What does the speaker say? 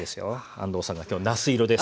安藤さんが今日なす色です。